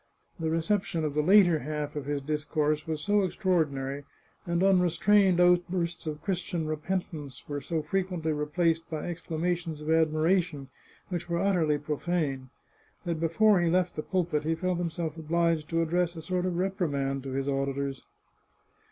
The reception of the later half of his dis course was so extraordinary, and unrestrained outbursts of Christian repentance were so frequently replaced by ex clamations of admiration which were utterly profane, that before he left the pulpit he felt himself obliged to address a sort of reprimand to his auditors.